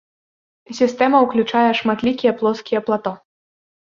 Сістэма ўключае шматлікія плоскія плато.